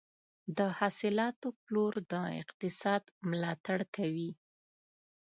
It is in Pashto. د حاصلاتو پلور د اقتصاد ملاتړ کوي.